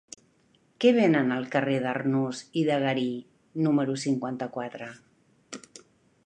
Què venen al carrer d'Arnús i de Garí número cinquanta-quatre?